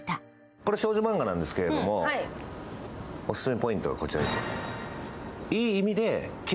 これは少女マンガなんですけれども、オススメポイントはこちらです。